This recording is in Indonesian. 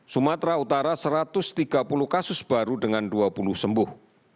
sumatera utara satu ratus tiga puluh kasus baru dengan dua puluh sembuh